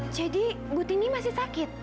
jadi butini masih sakit